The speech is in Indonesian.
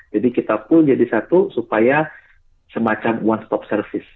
jadi kita pool jadi satu supaya semacam one stop service